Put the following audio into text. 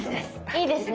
いいですね。